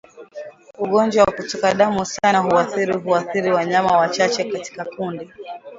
Ugonjwa wa kutoka damu sana huathiri huathiri wanyama wachache katika kundi